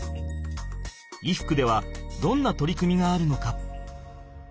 衣服ではどんな取り組みがあるのか？